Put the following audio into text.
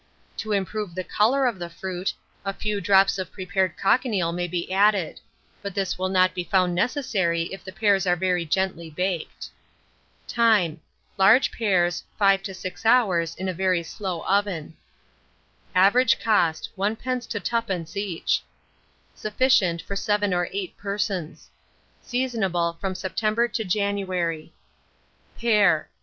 To improve the colour of the fruit, a few drops of prepared cochineal may be added; but this will not be found necessary if the pears are very gently baked. Time. Large pears, 5 to 6 hours, in a very slow oven. Average cost, 1d. to 2d. each. Sufficient for 7 or 8 persons. Seasonable from September to January. PEAR.